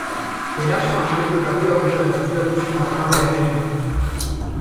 Erasoa amaitu eta bi ordura gerturatu zen armada herrira.